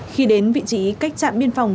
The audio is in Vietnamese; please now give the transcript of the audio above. khi đến vị trí cách trạm biên phòng